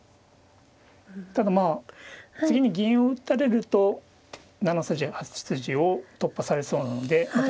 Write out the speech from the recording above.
ただまあ次に銀を打たれると７筋８筋を突破されそうなのでまた。